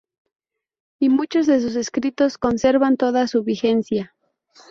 Y muchos de sus escritos conservan toda su vigencia.